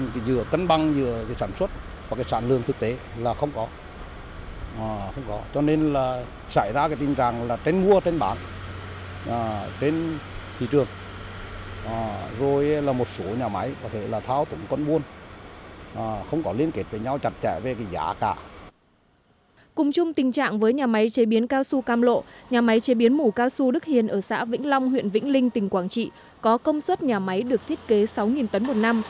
cùng chung tình trạng với nhà máy chế biến cao su cam lộ nhà máy chế biến mủ cao su đức hiền ở xã vĩnh long huyện vĩnh linh tỉnh quảng trị có công suất nhà máy được thiết kế sáu tấn một năm